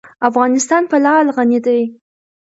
افغانستان په لعل غني دی.